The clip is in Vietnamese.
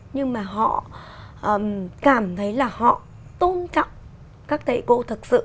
nhưng mà họ cảm thấy là họ tôn trọng các thầy cô thực sự